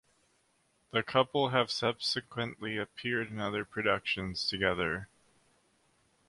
The couple have subsequently appeared in other productions together.